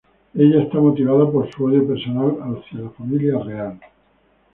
Ella está motivada por su odio personal hacia la familia real.